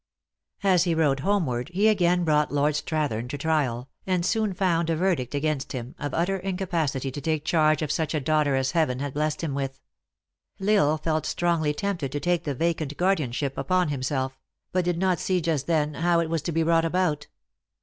As he rode homeward, he again brought Lord Strathern to trial, and soon found a verdict against him, of utter incapacity to take charge of such a daughter as heaven had blessed him with. L Isle felt strongly tempted to take the vacant guardianship upon himself but did not see just then how it was to be brought about.